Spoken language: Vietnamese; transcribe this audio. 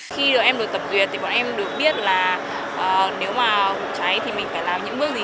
khi em được tập duyệt thì bọn em được biết là nếu mà vụ cháy thì mình phải làm những bước gì